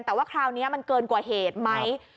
แต่ว่าคราวนี้มันเกินกว่าเหตุไหม